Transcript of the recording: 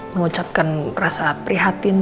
mengucapkan rasa prihatin